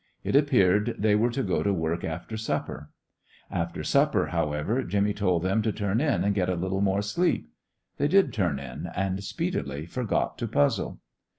It appeared they were to go to work after supper. After supper, however, Jimmy told them to turn in and get a little more sleep. They did turn in, and speedily forgot to puzzle.